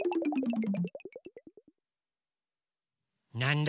なんだ？